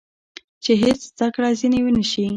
چې هېڅ زده کړه ځینې ونه شي.